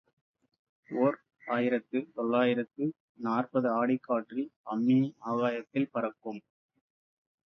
ஓர் ஆயிரத்து தொள்ளாயிரத்து நாற்பது ஆடிக் காற்றில் அம்மி ஆகாயத்தில் பறக்கும்.